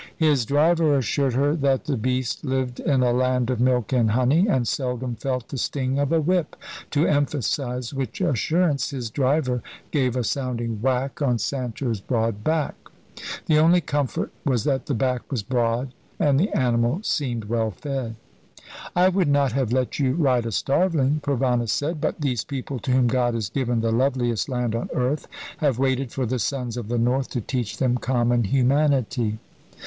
His driver assured her that the beast lived in a land of milk and honey, and seldom felt the sting of a whip, to emphasise which assurance his driver gave a sounding whack on Sancho's broad back. The only comfort was that the back was broad and the animal seemed well fed. "I would not have let you ride a starveling," Provana said; "but these people to whom God has given the loveliest land on earth have waited for the sons of the North to teach them common humanity."